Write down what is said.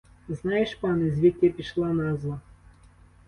Знаєш, пане, звідки пішла назва?